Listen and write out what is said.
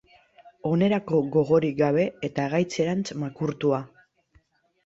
Onerako gogorik gabe eta gaitzerantz makurtua.